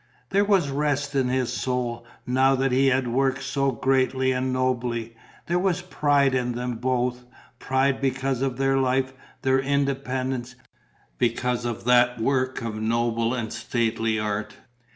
There was rest in his soul, now that he had worked so greatly and nobly. There was pride in them both: pride because of their life, their independence, because of that work of noble and stately art.